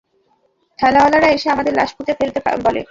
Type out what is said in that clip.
থানাঅলারা এসে আমাদের লাশ পুঁতে ফেলতে বলে।